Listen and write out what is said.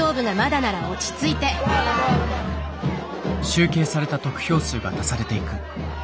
集計された得票数が足されていく。